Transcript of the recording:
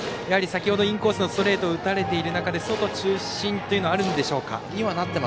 先ほどインコースのストレートを打たれている中で外中心というのはあるんでしょうか。